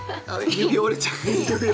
指折れちゃう。